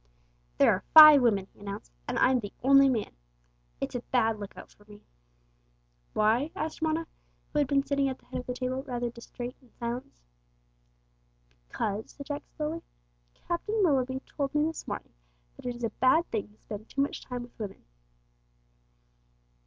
"There are five women," he announced; "and I'm the only man. It's a bad lookout for me!" "Why?" asked Mona, who had been sitting at the head of the table rather distrait and silent. "Because," said Jack slowly, "Captain Willoughby told me this morning that it is a bad thing to spend too much time with women."